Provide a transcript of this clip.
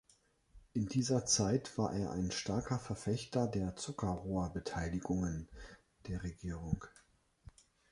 In dieser Zeit war er ein starker Verfechter der Zuckerrohr-Beteiligungen der Regierung.